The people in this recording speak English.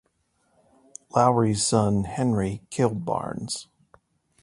Lowrey's son Henry killed Barnes.